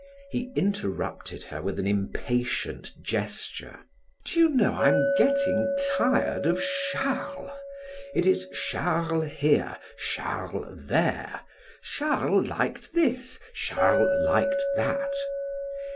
He interrupted her with an impatient gesture: "Do you know I am getting tired of Charles? It is Charles here, Charles there, Charles liked this, Charles liked that.